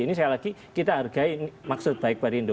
ini sekali lagi kita hargai maksud baik perindo